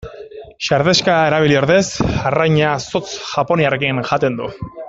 Sardexka erabili ordez arraina zotz japoniarrekin jaten du.